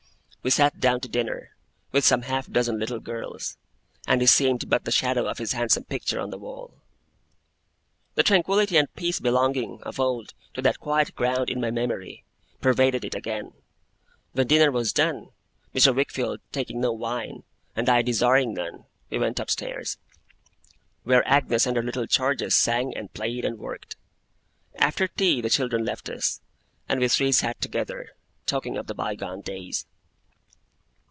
We sat down to dinner, with some half dozen little girls; and he seemed but the shadow of his handsome picture on the wall. The tranquillity and peace belonging, of old, to that quiet ground in my memory, pervaded it again. When dinner was done, Mr. Wickfield taking no wine, and I desiring none, we went up stairs; where Agnes and her little charges sang and played, and worked. After tea the children left us; and we three sat together, talking of the bygone days.